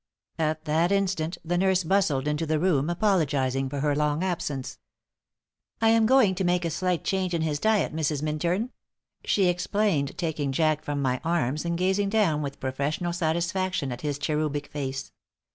At that instant the nurse bustled into the room, apologizing for her long absence. "I'm going to make a slight change in his diet, Mrs. Minturn," she explained, taking Jack from my arms and gazing down with professional satisfaction at his cherubic face.